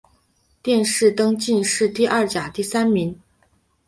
殿试登进士第二甲第三名。